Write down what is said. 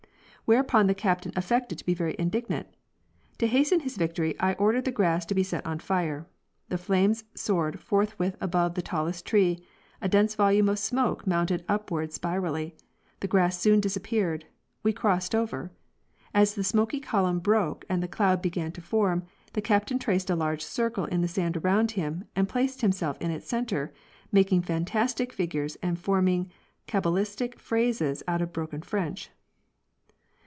Whereupon the Captain affected to be very indignant. To hasten his victory I ordered the grass to be set on fire. The flames soared forthwith above the tallest trees; a dense vol ume of smoke mounted upward spirally; the grass soon disappeared; we crossed over. As the smoky column broke and the cloud began to form the Captain traced a large circle in the sand around him, and placed him self in its center, making fantastic figutes and forming cabalistic phrases out of broken French.